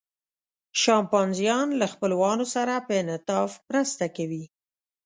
شامپانزیان له خپلوانو سره په انعطاف مرسته کوي.